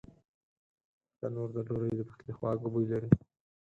تنور د ډوډۍ د پخلي خواږه بوی لري